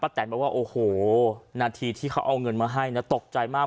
แตนบอกว่าโอ้โหนาทีที่เขาเอาเงินมาให้นะตกใจมาก